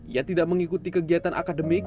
ia tidak mengikuti kegiatan akademik